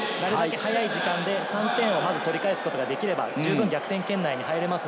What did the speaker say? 早い時間で３点を取り返すことができれば十分逆転圏内に入れます。